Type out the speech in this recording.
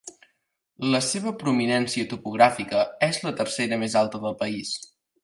La seva prominència topogràfica és la tercera més alta del país.